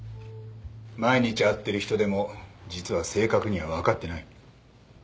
毎日会ってる人でも実は正確には分かってない。